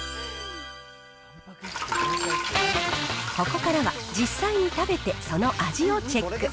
ここからは実際に食べて、その味をチェック。